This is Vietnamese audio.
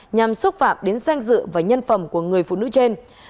nhằm xúc phạm đến danh dự và nhân phẩm của người phụ nữ trên